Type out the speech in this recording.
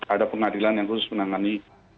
ada pengadilan yang khusus menangani